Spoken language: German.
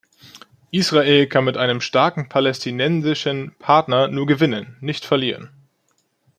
Israel kann mit einem starken palästinensischen Partner nur gewinnen, nicht verlieren.